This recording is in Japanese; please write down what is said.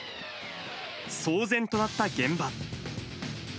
騒然となった現場。